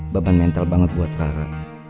baban mental banget buat rara